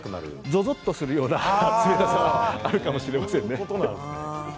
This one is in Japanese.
ぞぞっとするような冷たさはあるかもしれませんね。